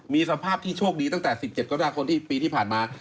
มีสภาพที่โชคดีตั้งแต่๑๗กรกฎาคมปีที่ผ่านมา